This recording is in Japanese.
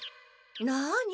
なに？